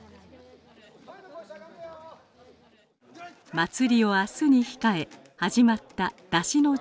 祭りを明日に控え始まった山車の準備。